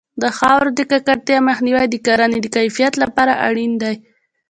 د خاورې د ککړتیا مخنیوی د کرنې د کیفیت لپاره اړین دی.